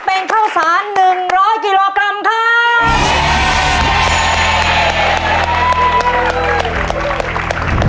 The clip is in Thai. เป็นเข้าสารหนึ่งร้อยกิโลกรัมครับ